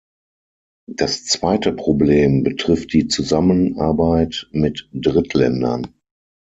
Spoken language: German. Das zweite Problem betrifft die Zusammenarbeit mit Drittländern.